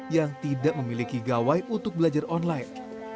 yang tidak memiliki gawai untuk belajar online